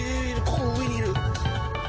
ここ上にいる。